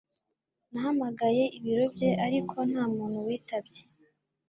nahamagaye ibiro bye, ariko nta muntu witabye